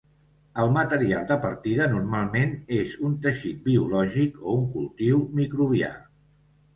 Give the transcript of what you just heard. El material de partida normalment és un teixit biològic o un cultiu microbià.